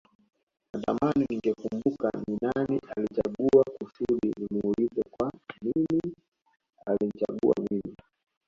Natamani ningekumbuka ni nani alinichagua kusudi nimuulize kwa nini alinichagua mimi